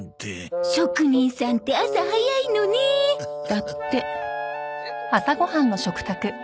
「職人さんって朝早いのねえ」だって。